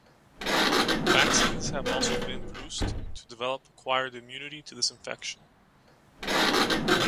Vaccines have also been produced to develop acquired immunity to this infection.